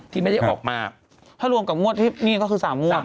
ที่ไม่ได้ออกมาถ้ารวมกับงวดที่นี่ก็คือ๓งวด